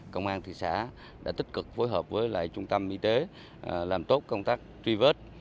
công an thị xã đã tích cực phối hợp với lại trung tâm y tế làm tốt công tác truy vết